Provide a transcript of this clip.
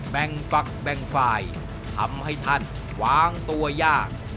ฝักแบ่งฝ่ายทำให้ท่านวางตัวยาก